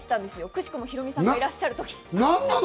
奇しくもヒロミさんがいらっしゃる時に。